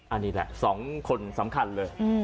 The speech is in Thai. อันนี้แหละ๒คนสำคัญเลย